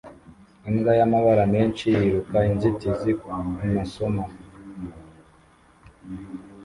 Imbwa y'amabara menshi yiruka inzitizi kumasomo